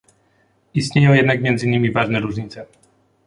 Istnieją jednak między nimi ważne różnice